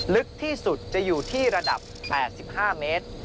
ลึกที่สุดจะอยู่ที่ระดับ๘๕เมตร